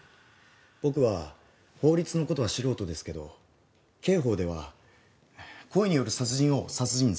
僕は法律の事は素人ですけど刑法では故意による殺人を殺人罪というんですよね？